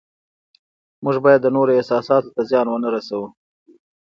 موږ باید د نورو احساساتو ته زیان ونه رسوو